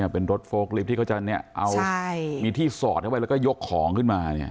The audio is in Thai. เป็นรถโฟล์ลิฟท์ที่เขาจะเอามีที่สอดเข้าไปแล้วก็ยกของขึ้นมา